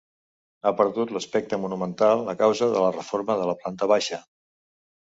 Ha perdut l'aspecte monumental a causa de la reforma de la planta baixa.